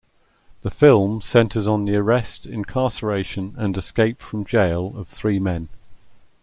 The film centers on the arrest, incarceration, and escape from jail of three men.